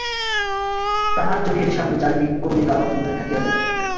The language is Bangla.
তাহার চোখের সামনে চারিদিক ক্রমে গাঢ় অন্ধকারে ঢাকিয়া যায়।